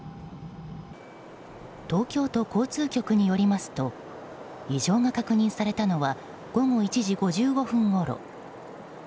東京都交通局によりますと異常が確認されたのは午後１時５５分ごろ。